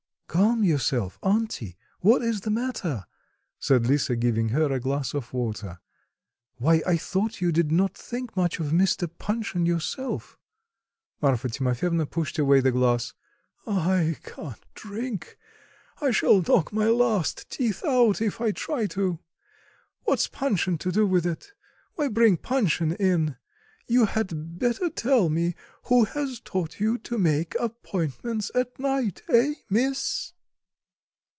"Calm yourself, auntie, what is the matter?" said Lisa, giving her a glass of water. "Why, I thought you did not think much of Mr. Panshin yourself." Marfa Timofyevna pushed away the glass. "I can't drink; I shall knock my last teeth out if I try to. What's Panshin to do with it? Why bring Panshin in? You had better tell me who has taught you to make appointments at night eh? miss?"